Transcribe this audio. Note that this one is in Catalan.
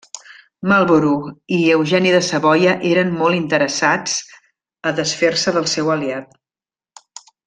Marlborough i Eugeni de Savoia eren molt interessats a desfer-se del seu aliat.